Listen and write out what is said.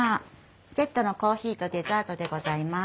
セットのコーヒーとデザートでございます。